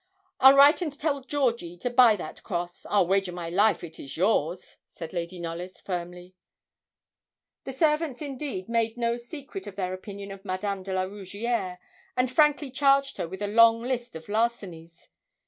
'I'll write and tell Georgie to buy that cross. I wager my life it is yours,' said Lady Knollys, firmly. The servants, indeed, made no secret of their opinion of Madame de la Rougierre, and frankly charged her with a long list of larcenies.